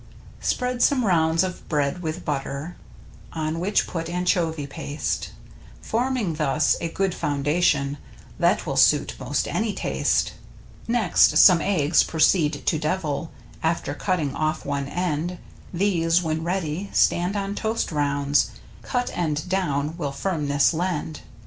Spread some rounds of bread with butter, On which put Anchovy paste, Forming thus a good foundation That will suit most any taste. Next, some eggs proceed to devil, After cutting off one end. These, when ready, stand on toast rounds (Cut end down will firmness lend).